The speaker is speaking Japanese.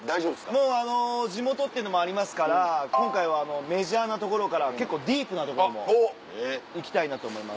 もうあの地元っていうのもありますから今回はメジャーなところから結構ディープなところも行きたいなと思います。